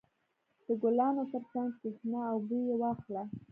• د ګلانو تر څنګ کښېنه او بوی یې واخله.